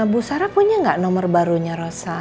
bu sarah punya nggak nomor barunya rosa